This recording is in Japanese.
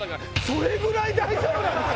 「それぐらい大丈夫なんですか？」